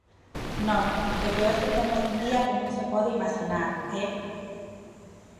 Non, é que hoxe temos un día que non se pode imaxinar, ¡eh!